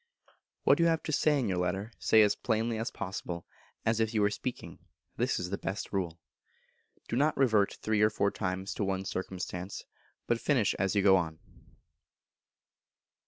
What you have to say in your Letter, say as plainly as possible, as if you were speaking; this is the best rule. Do not revert three or four times to one circumstance, but finish as you go on.